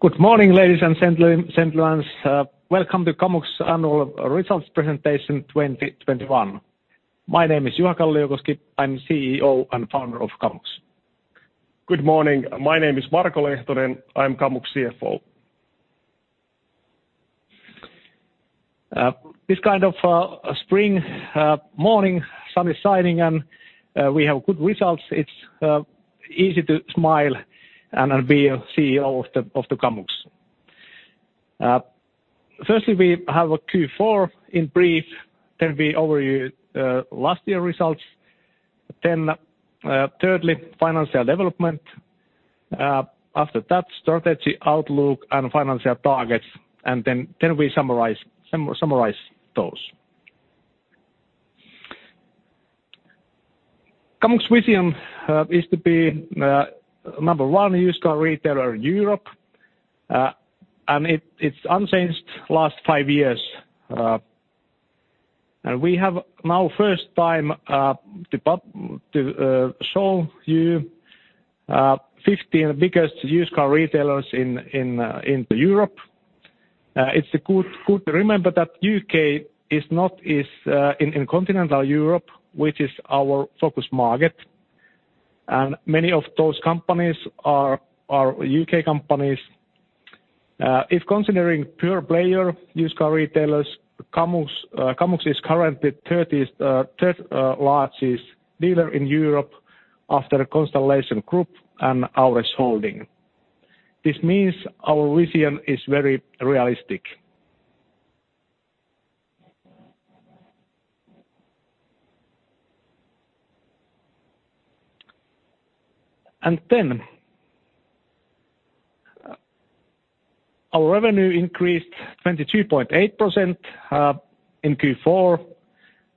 Good morning, ladies and gentlemen. Welcome to Kamux Annual Results Presentation 2021. My name is Juha Kalliokoski. I'm CEO and founder of Kamux. Good morning. My name is Marko Lehtonen. I'm Kamux CFO. This spring morning, sun is shining, and we have good results. It's easy to smile, and I am the CEO of Kamux. Firstly, we have a Q4 in brief. We overview last year results. Thirdly, financial development. After that, strategy, outlook, and financial targets. We summarize those. Kamux vision is to be number one used car retailer in Europe, and it's unchanged last five years. We have now first time to show you 15 biggest used car retailers in Europe. It's good to remember that UK is not in continental Europe, which is our focus market, and many of those companies are UK companies. If considering pure player used car retailers, Kamux is currently third largest dealer in Europe after Constellation Group and AURES Holdings. This means our vision is very realistic. Our revenue increased 22.8% in Q4,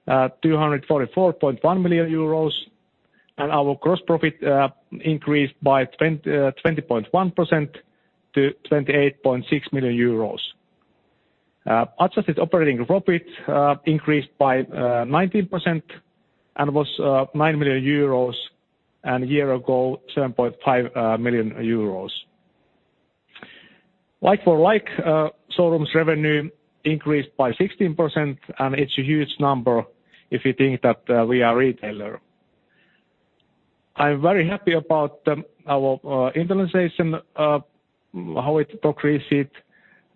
244.1 million euros, and our gross profit increased by 20.1% to 28.6 million euros. Adjusted operating profit increased by 19% and was 9 million euros, and a year ago, 7.5 million euros. Like-for-like showrooms revenue increased by 16%, and it's a huge number if you think that we are a retailer. I'm very happy about our internationalization, how it increased,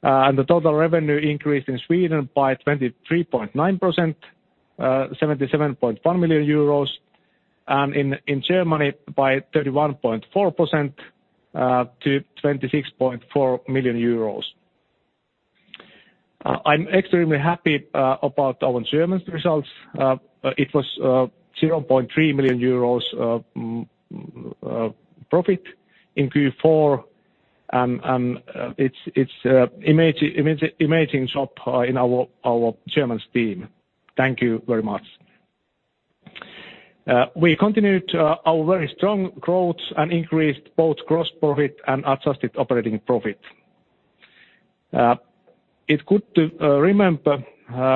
and the total revenue increased in Sweden by 23.9%, 77.1 million euros, and in Germany by 31.4%, to 26.4 million euros. I'm extremely happy about our German results. It was 0.3 million euros profit in Q4, and it's an amazing job in our German team. Thank you very much. We continued our very strong growth and increased both gross profit and adjusted operating profit. It's good to remember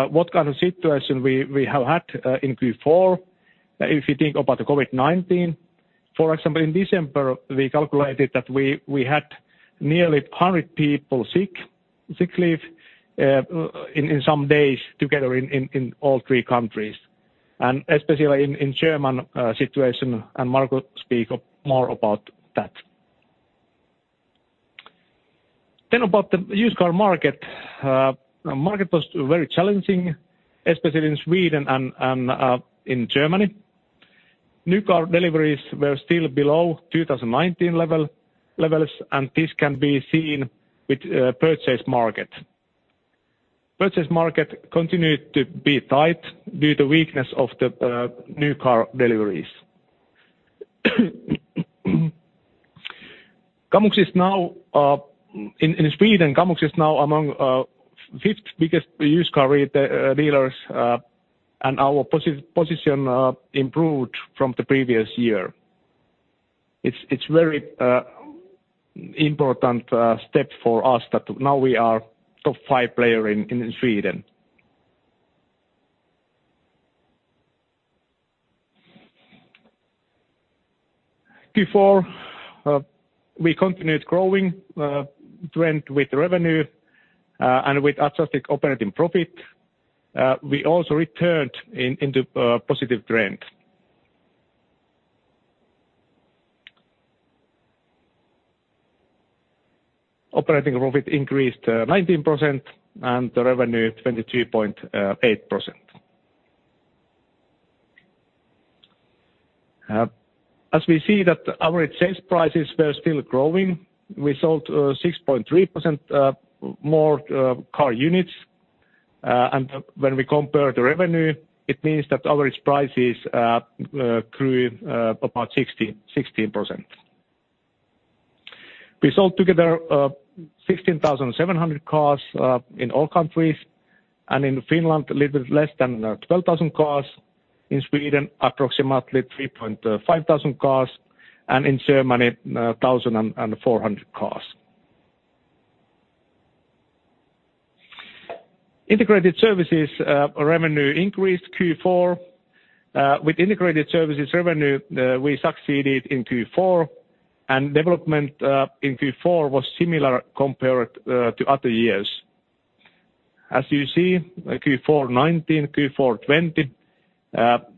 what situation we have had in Q4, if you think about the COVID-19. For example, in December, we calculated that we had nearly 100 people sick leave in some days together in all three countries, and especially in German situation, and Marko speak up more about that. About the used car market. Market was very challenging, especially in Sweden and in Germany. New car deliveries were still below 2019 levels, and this can be seen with purchase market. Purchase market continued to be tight due to weakness of the new car deliveries. Kamux is now in Sweden, Kamux is now among fifth biggest used car dealers, and our position improved from the previous year. It's very important step for us that now we are top five player in Sweden. Q4, we continued growing trend with revenue, and with adjusted operating profit, we also returned into positive trend. Operating profit increased 19% and the revenue 22.8%. As we see that average sales prices were still growing, we sold 6.3% more car units. And when we compare the revenue, it means that average prices grew about 16%. We sold together 16,700 cars in all countries, and in Finland, a little less than 12,000 cars, in Sweden, approximately 3,500 cars, and in Germany, 1,400 cars. Integrated services revenue increased in Q4. With integrated services revenue, we succeeded in Q4, and development in Q4 was similar compared to other years. As you see, Q4 2019, Q4 2020,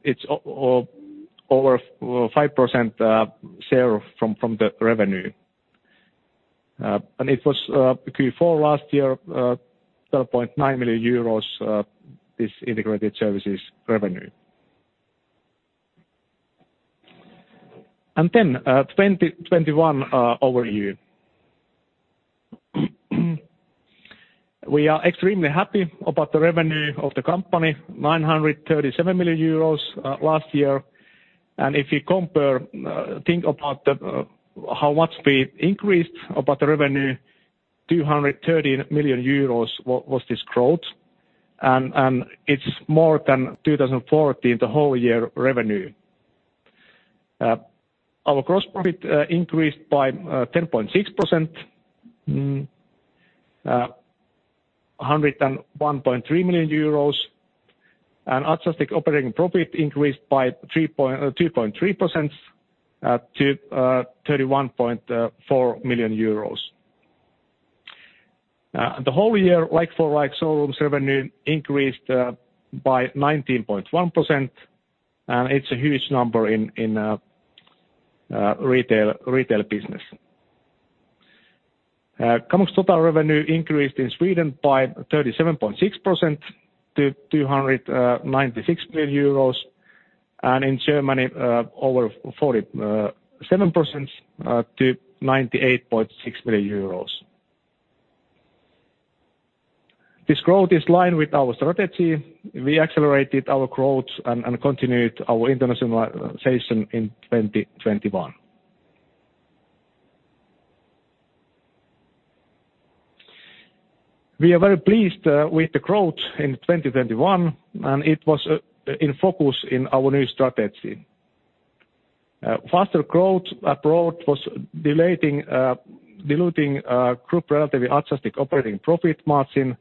it's over 5% share from the revenue. It was Q4 last year, 12.9 million euros, this integrated services revenue. Then, 2021 overview. We are extremely happy about the revenue of the company, 937 million euros last year. If you compare, think about how much we increased about the revenue, 230 million euros was this growth. It's more than 2014, the whole year revenue. Our gross profit increased by 10.6%, 101.3 million euros. Adjusted operating profit increased by 2.3% to 31.4 million euros. The whole year, like-for-like showrooms revenue increased by 19.1%, and it's a huge number in retail business. Kamux total revenue increased in Sweden by 37.6% to 296 million euros, and in Germany over 47% to 98.6 million euros. This growth is in line with our strategy. We accelerated our growth and continued our internationalization in 2021. We are very pleased with the growth in 2021, and it was in focus in our new strategy. Faster growth abroad was diluting group relatively adjusted operating profit margin,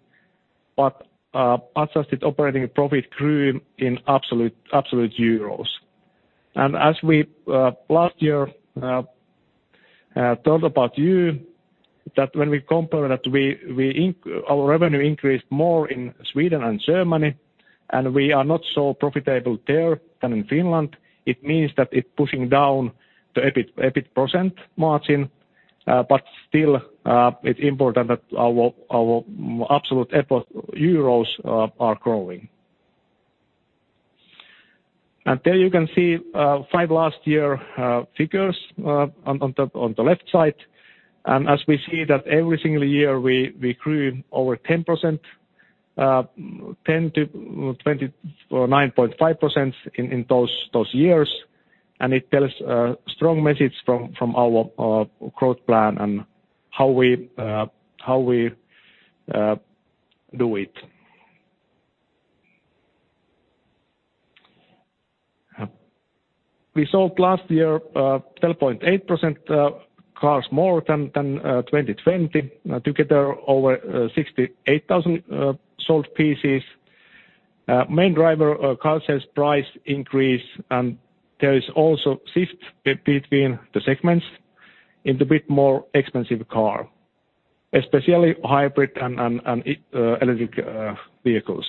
but adjusted operating profit grew in absolute euros. As we last year told you about that when we compare that our revenue increased more in Sweden and Germany, and we are not so profitable there than in Finland, it means that it's pushing down the EBIT % margin. Still, it's important that our absolute EBIT euros are growing. There you can see five last year figures on the left side. As we see that every single year we grew over 10%, 10%-20% or 9.5% in those years. It tells a strong message from our growth plan and how we do it. We sold last year 12.8% more cars than 2020. Together over 68,000 sold pieces. Main driver, car sales price increase, and there is also shift between the segments into a bit more expensive car, especially hybrid and electric vehicles.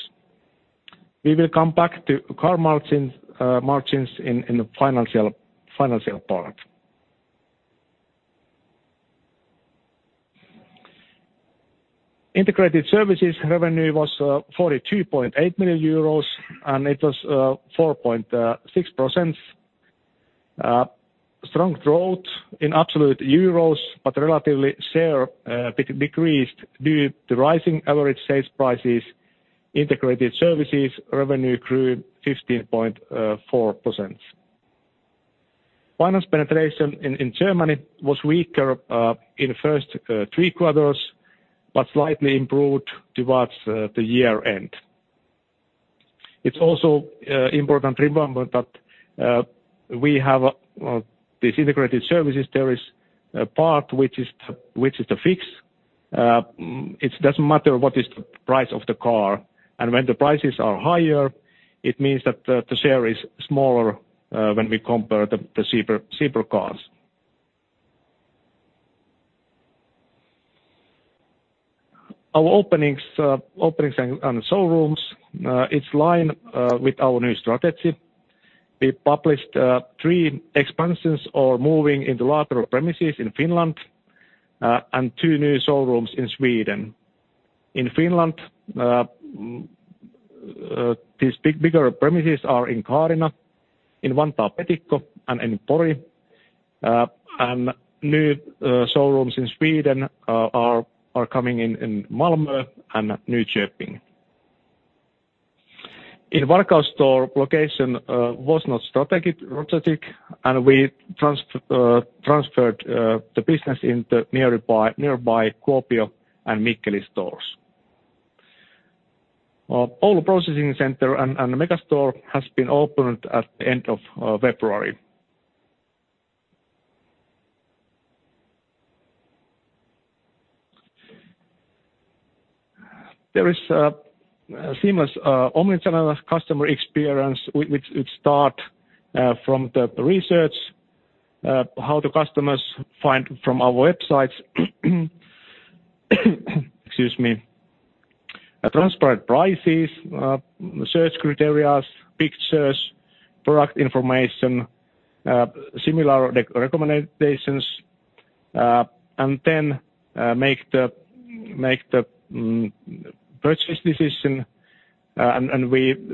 We will come back to car margins in the financial part. Integrated services revenue was 42.8 million euros, and it was 4.6%. Strong growth in absolute euros, but relatively share decreased due to rising average sales prices, integrated services revenue grew 15.4%. Finance penetration in Germany was weaker in the first three quarters, but slightly improved towards the year end. It's also important remember that we have this integrated services. There is a part which is the fixed. It doesn't matter what is the price of the car. When the prices are higher, it means that the share is smaller when we compare the cheaper cars. Our openings and showrooms, it's in line with our new strategy. We published three expansions or moving into larger premises in Finland and two new showrooms in Sweden. In Finland, these bigger premises are in Kaarina, in Vantaa Petikko, and in Pori. New showrooms in Sweden are coming in Malmö and Nyköping. In Varkaus store location was not strategic, and we transferred the business into nearby Kuopio and Mikkeli stores. Oulu processing center and the megastore has been opened at the end of February. There is a seamless omnichannel customer experience which starts from the research how the customers find from our websites. Excuse me. Transparent prices, search criteria, pictures, product information, similar recommendations, and then make the purchase decision.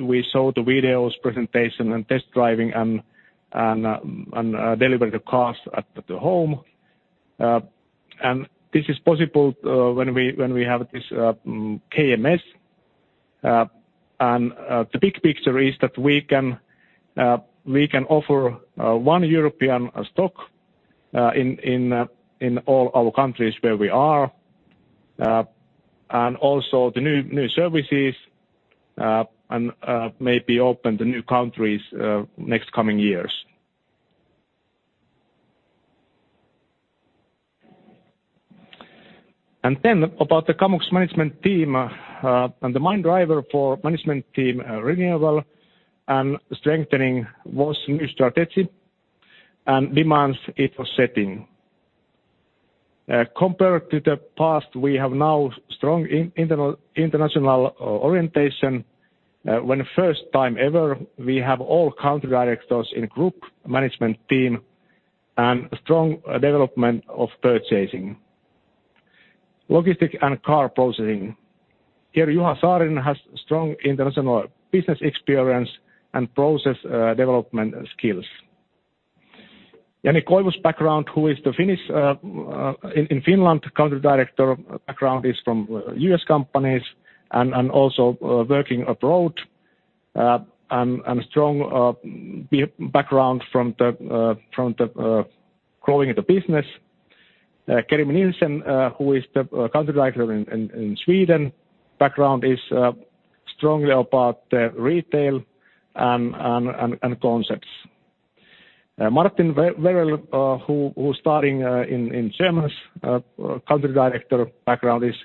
We show the video presentation and test driving and deliver the cars at the home. This is possible when we have this KMS. The big picture is that we can offer one European stock in all our countries where we are. Also the new services and maybe open the new countries next coming years. About the Kamux management team, and the main driver for management team renewal and strengthening was new strategy and demands it was setting. Compared to the past, we have now strong international orientation, when first time ever, we have all country directors in group management team and strong development of purchasing, logistics and car processing. Here, Juha Saarinen has strong international business experience and process development skills. Jani Koivu's background, who is the Finnish in Finland country director background is from US companies and also working abroad, and strong background from the growing the business. Kerim Nielsen, who is the country director in Sweden, background is strongly about retail and concepts. Martin Verrelli, who is starting in Germany's Country Director background is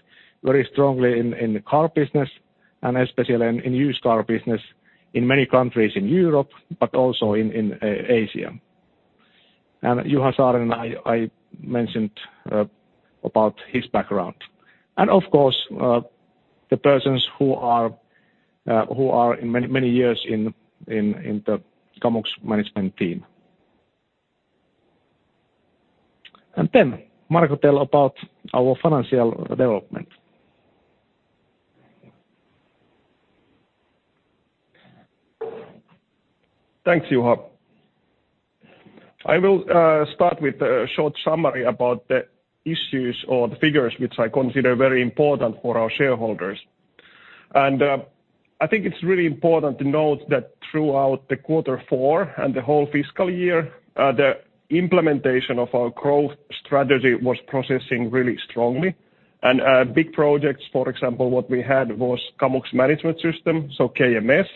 very strongly in the car business, and especially in used car business in many countries in Europe, but also in Asia. Juha Saarinen, I mentioned about his background. Of course, the persons who are in many years in the Kamux management team. Marko, tell about our financial development. Thanks, Juha. I will start with a short summary about the issues or the figures which I consider very important for our shareholders. I think it's really important to note that throughout the quarter four and the whole fiscal year, the implementation of our growth strategy was progressing really strongly. Big projects, for example, what we had was Kamux Management System, so KMS,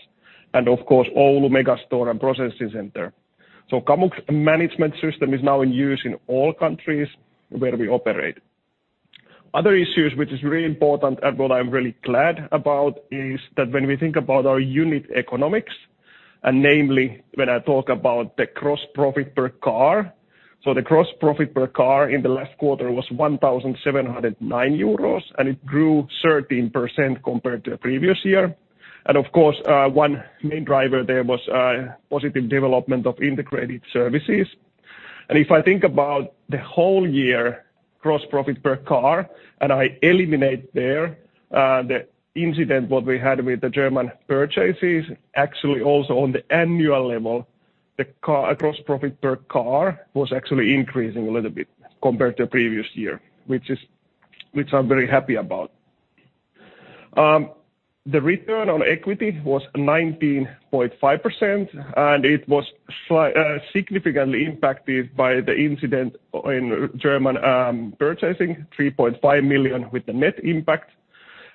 and of course, Oulu Megastore and processing center. Kamux Management System is now in use in all countries where we operate. Other issues which is really important and what I'm really glad about is that when we think about our unit economics, and namely, when I talk about the gross profit per car, so the gross profit per car in the last quarter was 1,709 euros, and it grew 13% compared to the previous year. Of course, one main driver there was, positive development of integrated services. If I think about the whole year gross profit per car and I eliminate there, the incident what we had with the German purchases, actually also on the annual level, gross profit per car was actually increasing a little bit compared to the previous year, which I'm very happy about. The return on equity was 19.5%, and it was significantly impacted by the incident in German purchasing, 3.5 million with the net impact.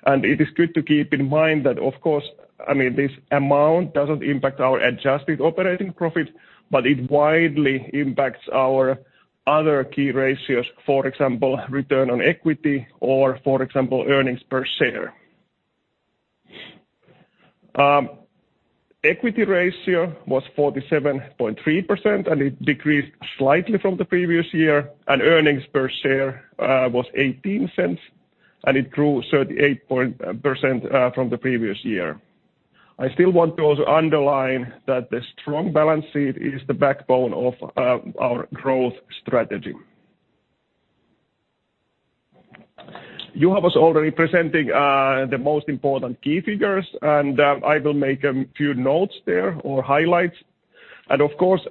It is good to keep in mind that, of course, I mean, this amount doesn't impact our adjusted operating profit, but it widely impacts our other key ratios, for example, return on equity or, for example, earnings per share. Equity ratio was 47.3%, and it decreased slightly from the previous year, and earnings per share was 0.18 EUR, and it grew 38% from the previous year. I still want to also underline that the strong balance sheet is the backbone of our growth strategy. Juha was already presenting the most important key figures, and I will make a few notes there or highlights. Of course,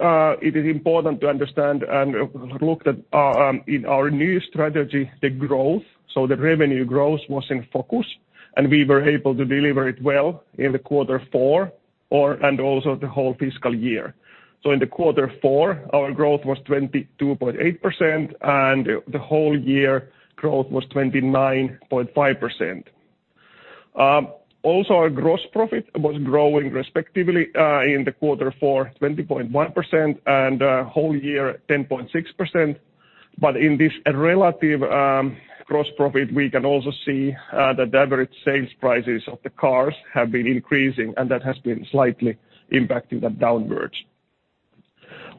it is important to understand and look at, in our new strategy, the growth. The revenue growth was in focus, and we were able to deliver it well in quarter four and also the whole fiscal year. In the quarter four, our growth was 22.8%, and the whole year growth was 29.5%. Also our gross profit was growing respectively, in the quarter four 20.1% and, whole year 10.6%. In this relative gross profit, we can also see, the average sales prices of the cars have been increasing, and that has been slightly impacting that downwards.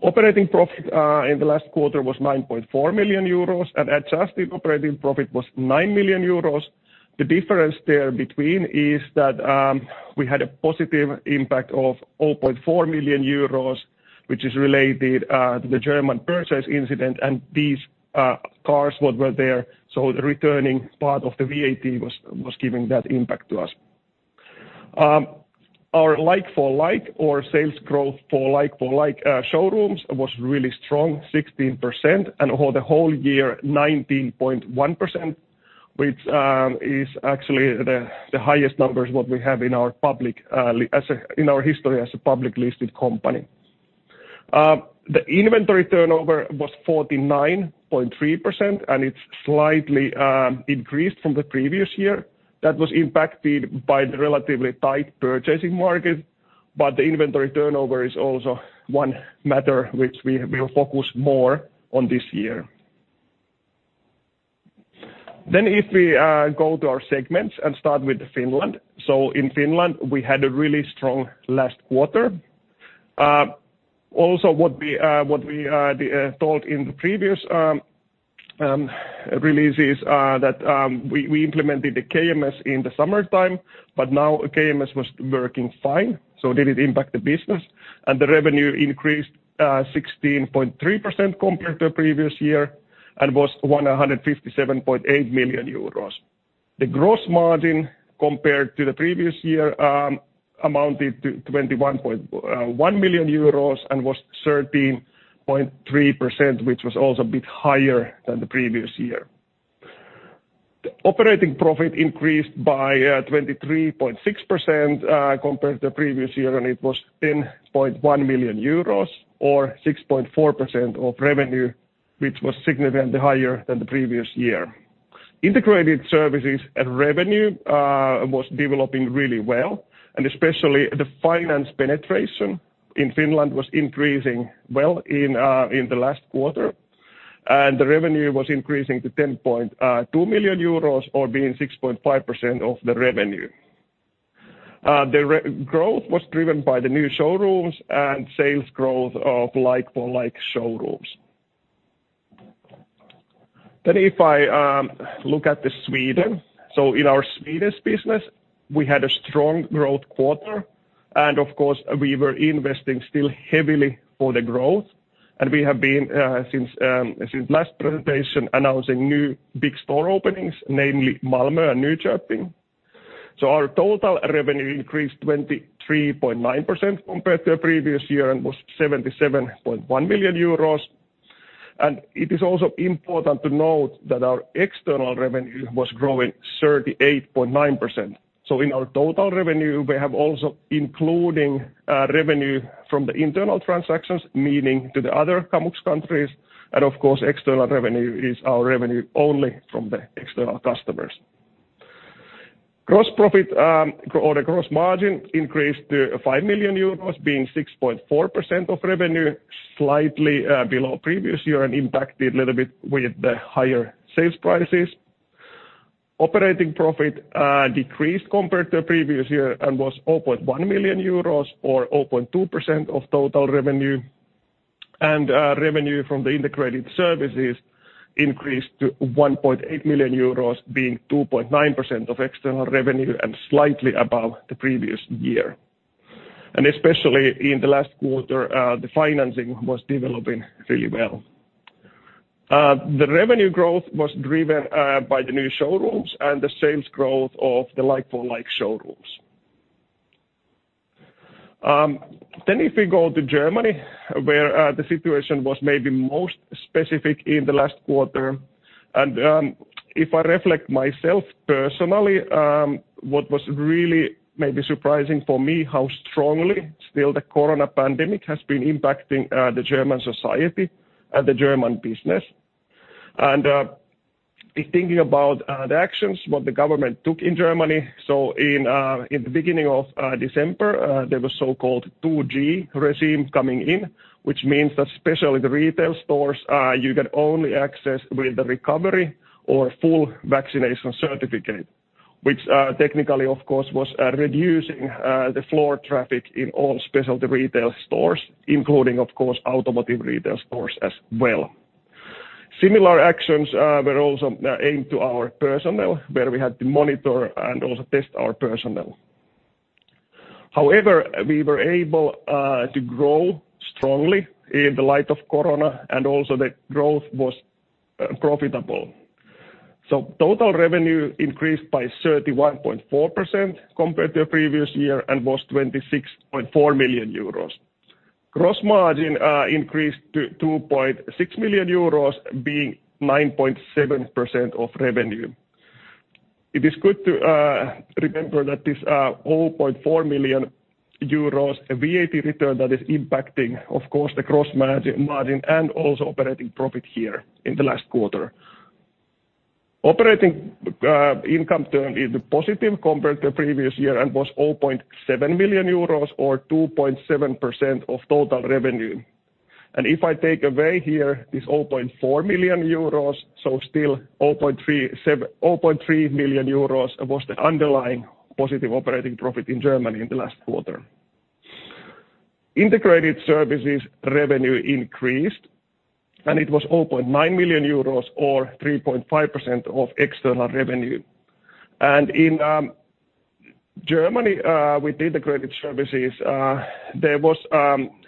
Operating profit in the last quarter was 9.4 million euros, and adjusted operating profit was 9 million euros. The difference there between is that, we had a positive impact of 0.4 million euros, which is related, to the German purchase incident and these, cars what were there. The returning part of the VAT was giving that impact to us. Our like-for-like sales growth for like-for-like showrooms was really strong, 16%, and for the whole year 19.1%, which is actually the highest numbers what we have in our public, as in our history as a public listed company. The inventory turnover was 49.3%, and it's slightly increased from the previous year. That was impacted by the relatively tight purchasing market, but the inventory turnover is also one matter which we will focus more on this year. If we go to our segments and start with Finland. In Finland, we had a really strong last quarter. Also what we thought in the previous release is that we implemented the KMS in the summertime, but now KMS was working fine, so didn't impact the business. The revenue increased 16.3% compared to the previous year and was 157.8 million euros. The gross margin compared to the previous year amounted to 21.1 million euros and was 13.3%, which was also a bit higher than the previous year. The operating profit increased by 23.6% compared to the previous year, and it was 10.1 million euros or 6.4% of revenue, which was significantly higher than the previous year. Integrated services and revenue was developing really well, and especially the finance penetration in Finland was increasing well in the last quarter. The revenue was increasing to 10.2 million euros or being 6.5% of the revenue. Growth was driven by the new showrooms and sales growth of like-for-like showrooms. If I look at Sweden. In our Swedish business, we had a strong growth quarter, and of course, we were investing still heavily for the growth. We have been since last presentation announcing new big store openings, namely Malmö and Nyköping. Our total revenue increased 23.9% compared to the previous year and was 77.1 million euros. It is also important to note that our external revenue was growing 38.9%. In our total revenue, we have also including revenue from the internal transactions, meaning to the other Kamux countries, and of course, external revenue is our revenue only from the external customers. Gross profit or the gross margin increased to 5 million euros, being 6.4% of revenue, slightly below previous year and impacted a little bit with the higher sales prices. Operating profit decreased compared to the previous year and was 0.1 million euros or 0.2% of total revenue. Revenue from the integrated services increased to 1.8 million euros, being 2.9% of external revenue and slightly above the previous year. Especially in the last quarter, the financing was developing really well. The revenue growth was driven by the new showrooms and the sales growth of the like-for-like showrooms. If we go to Germany, where the situation was maybe most specific in the last quarter, and if I reflect myself personally, what was really maybe surprising for me how strongly still the corona pandemic has been impacting the German society and the German business, thinking about the actions what the government took in Germany. In the beginning of December, there was so-called 2G regime coming in, which means that especially the retail stores you get only access with the recovery or full vaccination certificate, which technically, of course, was reducing the floor traffic in all specialty retail stores, including, of course, automotive retail stores as well. Similar actions were also aimed to our personnel, where we had to monitor and also test our personnel. However, we were able to grow strongly in the light of corona, and also the growth was profitable. Total revenue increased by 31.4% compared to the previous year and was 26.4 million euros. Gross margin increased to 2.6 million euros being 9.7% of revenue. It is good to remember that this 0.4 million euros VAT return is impacting, of course, the gross margin and also operating profit here in the last quarter. Operating income turned positive compared to previous year and was 0.7 million euros or 2.7% of total revenue. If I take away here this 0.4 million euros, so still 0.3 million euros was the underlying positive operating profit in Germany in the last quarter. Integrated services revenue increased, and it was 0.9 million euros or 3.5% of external revenue. In Germany, with integrated services, there was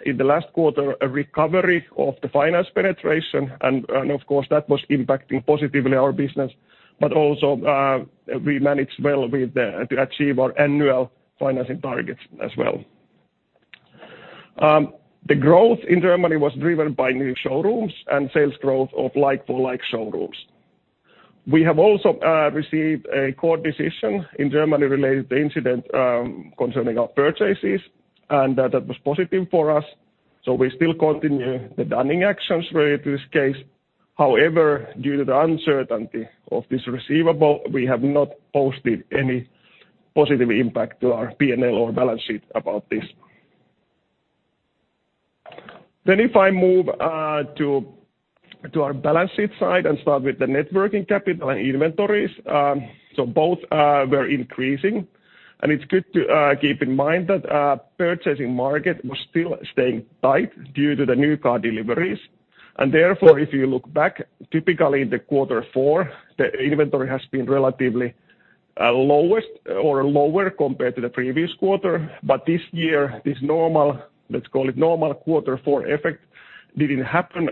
in the last quarter a recovery of the financing penetration and of course that was impacting positively our business, but also we managed well to achieve our annual financing targets as well. The growth in Germany was driven by new showrooms and sales growth of like-for-like showrooms. We have also received a court decision in Germany related to an incident concerning our purchases, and that was positive for us, so we still continue the dunning actions related to this case. However, due to the uncertainty of this receivable, we have not posted any positive impact to our P&L or balance sheet about this. If I move to our balance sheet side and start with the net working capital and inventories. Both were increasing. It's good to keep in mind that purchasing market was still staying tight due to the new car deliveries. Therefore, if you look back, typically in the quarter four, the inventory has been relatively lowest or lower compared to the previous quarter. This year, this normal, let's call it normal quarter four effect didn't happen.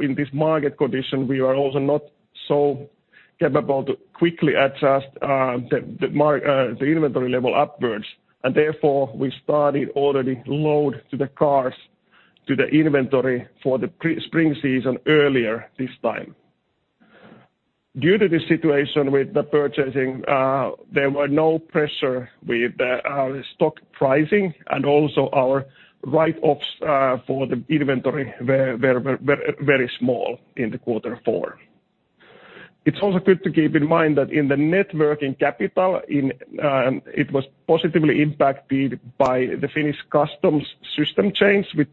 In this market condition, we are also not so capable to quickly adjust the inventory level upwards. Therefore, we started already loading the cars to the inventory for the spring season earlier this time. Due to the situation with the purchasing, there were no pressure with our stock pricing and also our write-offs for the inventory were very small in quarter four. It's also good to keep in mind that in the net working capital, it was positively impacted by the Finnish customs system change which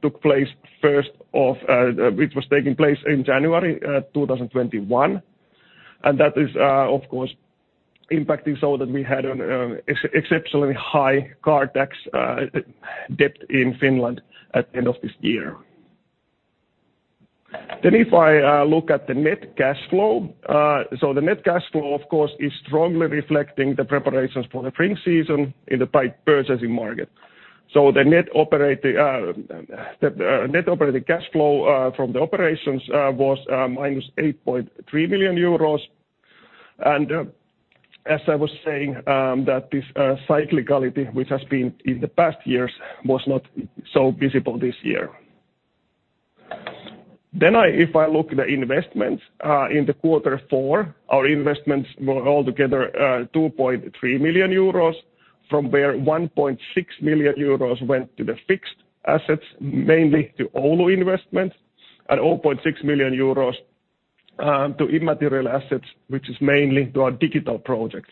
was taking place in January 2021. That is, of course, impacting so that we had an exceptionally high car tax debt in Finland at the end of this year. If I look at the net cash flow, the net cash flow of course is strongly reflecting the preparations for the spring season in the tight purchasing market. The net operating cash flow from the operations was -8.3 million euros. As I was saying, that this cyclicality, which has been in the past years, was not so visible this year. If I look at the investments in quarter four, our investments were altogether 2.3 million euros, from where 1.6 million euros went to the fixed assets, mainly to Oulu investments, and 0.6 million euros to intangible assets, which is mainly to our digital projects.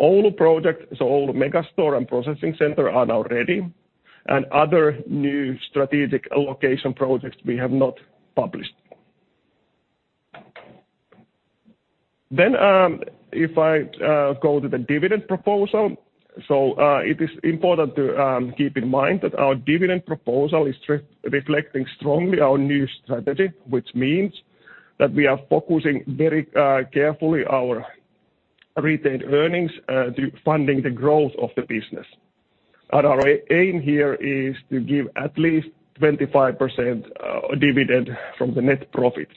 Oulu project. Oulu megastore and processing center are now ready, and other new strategic location projects we have not published. If I go to the dividend proposal. It is important to keep in mind that our dividend proposal is reflecting strongly our new strategy, which means that we are focusing very carefully our retail earnings to funding the growth of the business. Our aim here is to give at least 25% dividend from the net profit.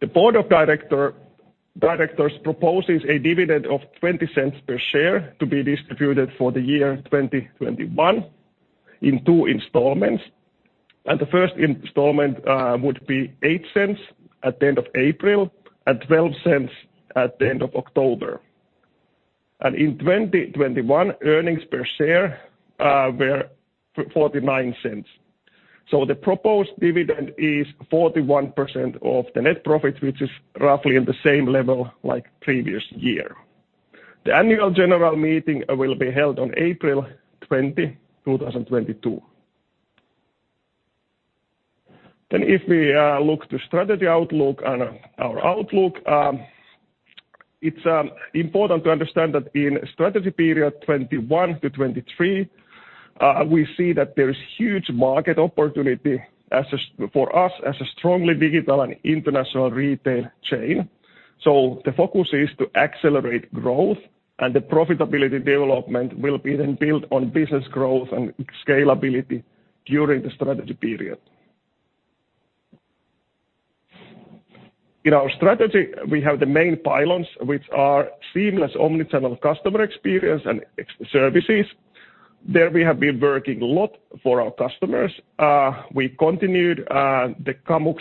The Board of Directors proposes a dividend of 0.20 per share to be distributed for the year 2021 in two installments, and the first installment would be 0.08 at the end of April and 0.12 at the end of October. In 2021, earnings per share were 0.49 EUR. The proposed dividend is 41% of the net profit, which is roughly at the same level like previous year. The annual general meeting will be held on April 20, 2022. If we look to strategy outlook and our outlook, it's important to understand that in strategy period 2021-2023, we see that there is huge market opportunity for us as a strongly digital and international retail chain. The focus is to accelerate growth, and the profitability development will be then built on business growth and scalability during the strategy period. In our strategy, we have the main pillars which are seamless omni-channel customer experience and excellent services. There we have been working a lot for our customers. We continued the Kamux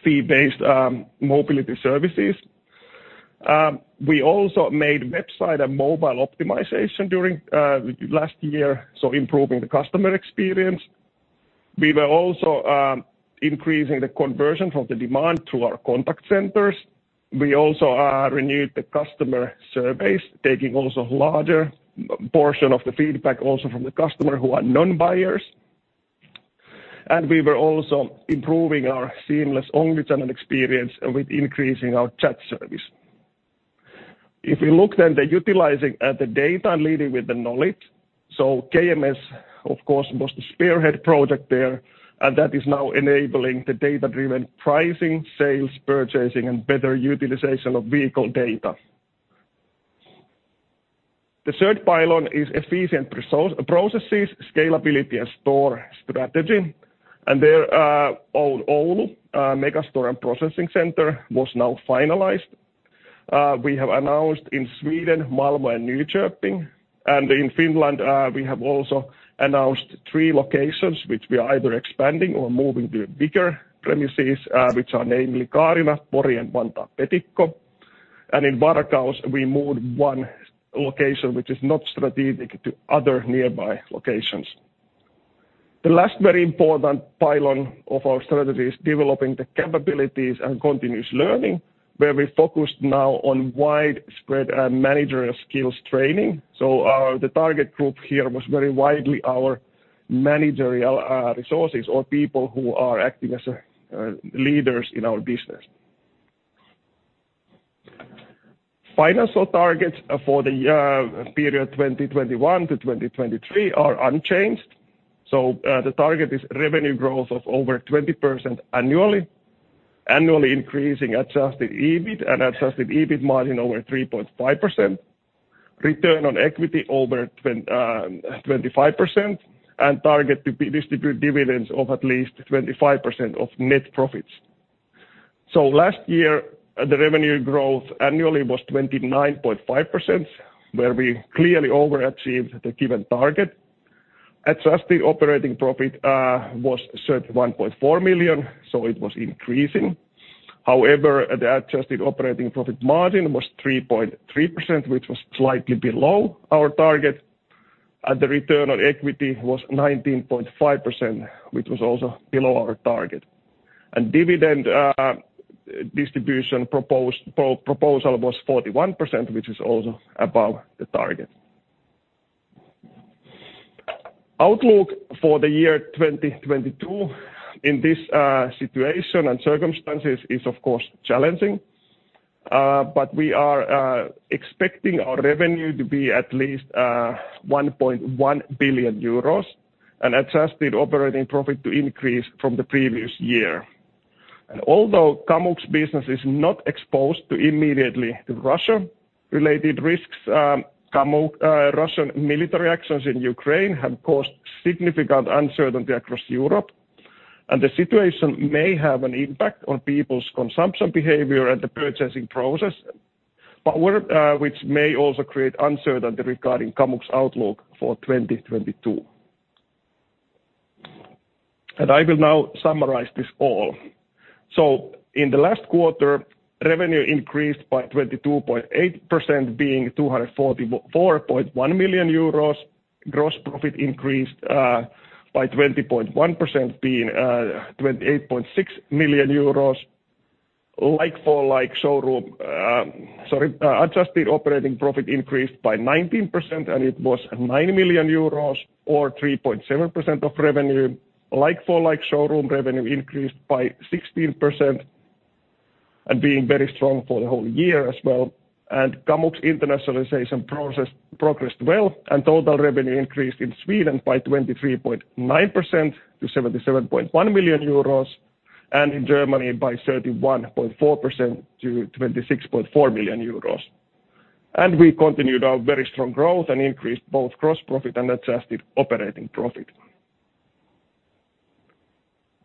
mobility services.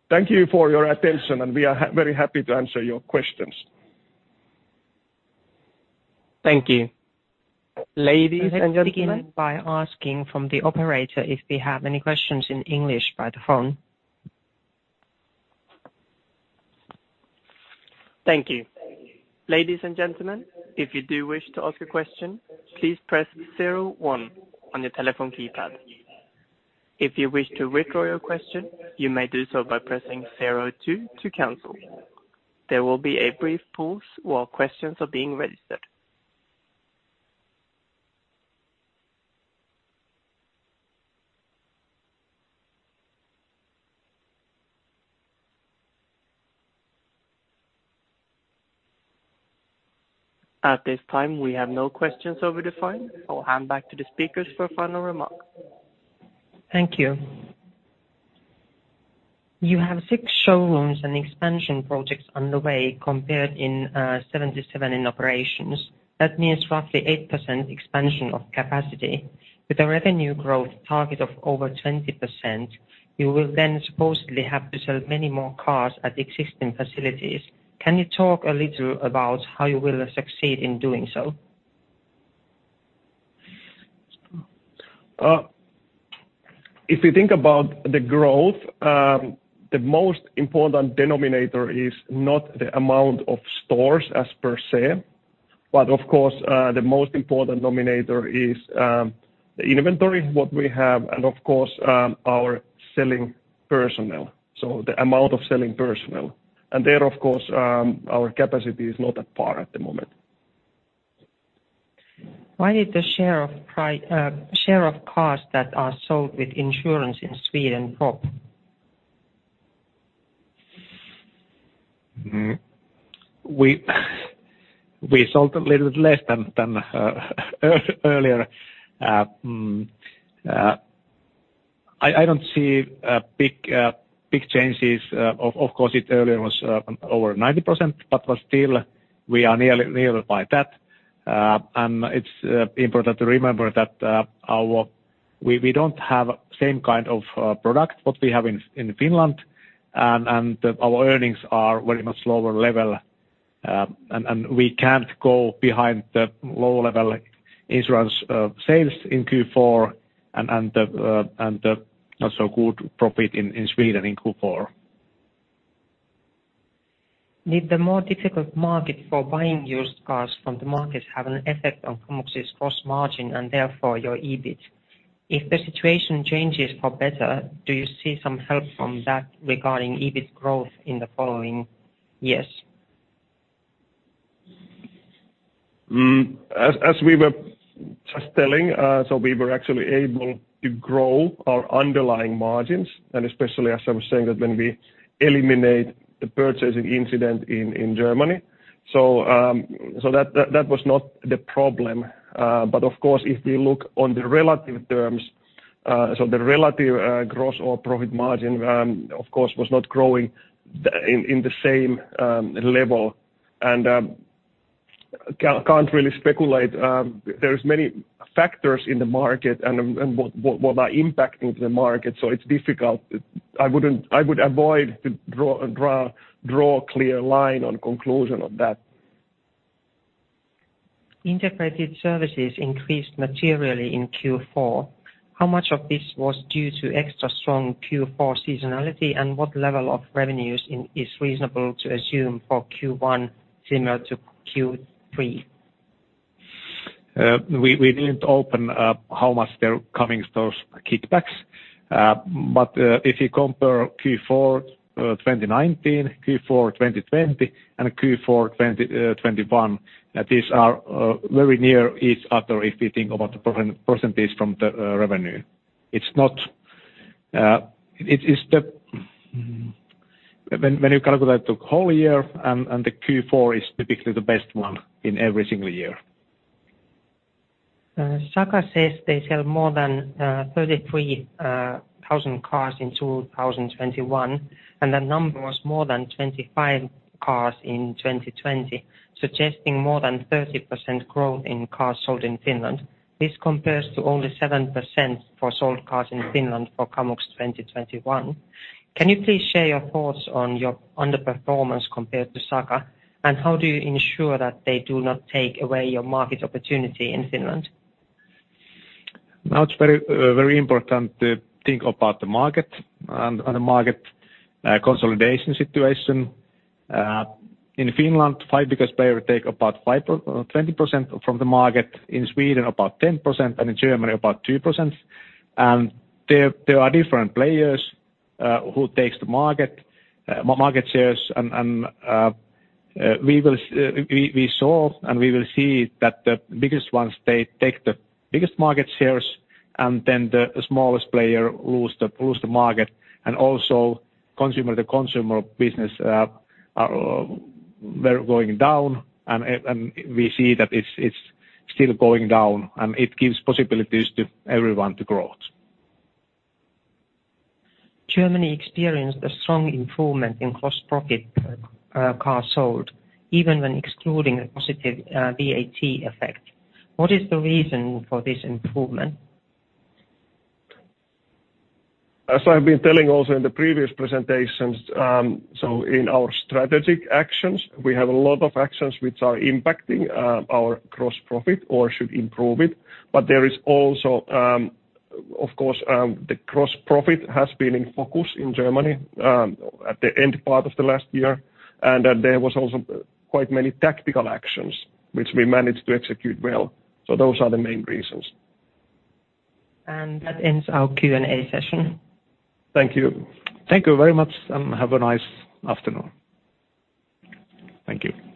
Thank you. Ladies and gentlemen. Let's begin by asking the operator if we have any questions in English by the phone. Thank you. Ladies and gentlemen, if you do wish to ask a question, please press zero one on your telephone keypad. If you wish to withdraw your question, you may do so by pressing zero two to cancel. There will be a brief pause while questions are being registered. At this time, we have no questions over the phone. I'll hand back to the speakers for final remarks. Thank you. You have 6 showrooms and expansion projects on the way compared to 77 in operations. That means roughly 8% expansion of capacity. With a revenue growth target of over 20%, you will then supposedly have to sell many more cars at existing facilities. Can you talk a little about how you will succeed in doing so? If you think about the growth, the most important denominator is not the amount of stores per se, but of course, the inventory, what we have, and of course, our selling personnel. The amount of selling personnel. There, of course, our capacity is not that far at the moment. Why did the share of cars that are sold with insurance in Sweden drop? We sold a little bit less than earlier. I don't see big changes. Of course, it earlier was over 90%, but still we are nearly by that. It's important to remember that we don't have same product what we have in Finland, and our earnings are very much lower level. We can't go behind the low level insurance sales in Q4 and the not so good profit in Sweden in Q4. Did the more difficult market for buying used cars from the markets have an effect on Kamux's gross margin and therefore your EBIT? If the situation changes for better, do you see some help from that regarding EBIT growth in the following years? As we were just telling, we were actually able to grow our underlying margins, and especially as I was saying that when we eliminate the purchasing incident in Germany, that was not the problem. But of course, if we look on the relative terms, the relative gross or profit margin, of course, was not growing in the same level. Can't really speculate, there's many factors in the market and what are impacting the market, so it's difficult. I would avoid to draw a clear line on conclusion of that. Integrated services increased materially in Q4. How much of this was due to extra strong Q4 seasonality and what level of revenues is reasonable to assume for Q1 similar to Q3? We didn't open up how much they're coming, those kickbacks. If you compare Q4 2019, Q4 2020, and Q4 2021, these are very near each other if you think about the percentage from the revenue. When you calculate the whole year and the Q4 is typically the best one in every single year. Saka says they sell more than 33,000 cars in 2021, and the number was more than 25,000 cars in 2020, suggesting more than 30% growth in cars sold in Finland. This compares to only 7% for sold cars in Finland for Kamux 2021. Can you please share your thoughts on your underperformance compared to Saka, and how do you ensure that they do not take away your market opportunity in Finland? Now, it's very important to think about the market and the market consolidation situation. In Finland, five biggest players take about 52% from the market. In Sweden, about 10%, and in Germany, about 2%. There are different players who take the market shares. We saw and we will see that the biggest ones take the biggest market shares, and then the smallest players lose the market. Also, consumer-to-consumer business were going down, and we see that it's still going down, and it gives possibilities to everyone to grow. Germany experienced a strong improvement in gross profit, cars sold, even when excluding a positive VAT effect. What is the reason for this improvement? As I've been telling also in the previous presentations, in our strategic actions, we have a lot of actions which are impacting our gross profit or should improve it. There is also, of course, the gross profit has been in focus in Germany, at the end part of the last year. There was also quite many tactical actions which we managed to execute well. Those are the main reasons. That ends our Q&A session. Thank you. Thank you very much, and have a nice afternoon. Thank you.